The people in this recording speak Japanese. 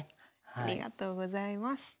ありがとうございます。